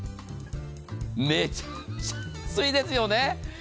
めちゃくちゃ安いですよね。